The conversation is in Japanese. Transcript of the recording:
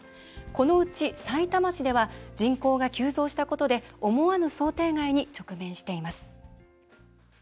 このうち、さいたま市では人口が急増したことで思わぬ想定外に直面しています。